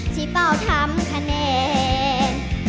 เป้าทำคะแนน